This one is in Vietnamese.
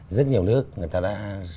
rất nhiều nước người ta đã